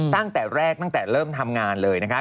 ตั้งแต่แรกตั้งแต่เริ่มทำงานเลยนะคะ